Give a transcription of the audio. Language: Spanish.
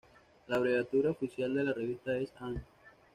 La abreviatura oficial de la revista es "An.